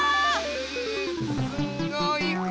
すごい声。